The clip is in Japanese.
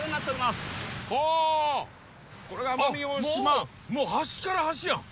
あっもう端から端やん。